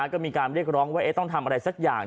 ก็มีการเรียกร้องว่าต้องทำอะไรสักอย่าง